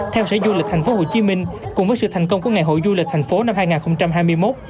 theo sở du lịch thành phố hồ chí minh cùng với sự thành công của ngày hội du lịch thành phố năm hai nghìn hai mươi một